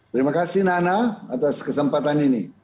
terima kasih nana atas kesempatan ini